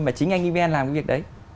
mà chính anh yvn làm cái việc đấy